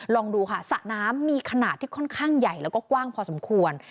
ลองดูค่ะสระน้ำมีขนาดที่ค่อนข้างใหญ่แล้วก็กว้างพอสมควร